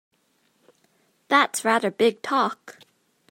That's rather big talk!